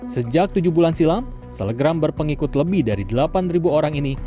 sejak tujuh bulan silam selegram berpengikut lebih dari delapan orang ini